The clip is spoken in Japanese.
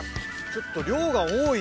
ちょっと量が多いね。